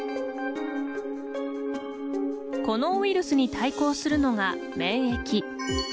このウイルスに対抗するのが免疫。